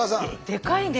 でかいね。